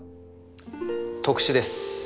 特殊です。